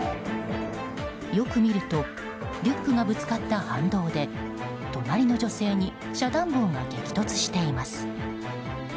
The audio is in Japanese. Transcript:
よく見るとリュックがぶつかった反動で隣の女性に遮断棒が激突しています。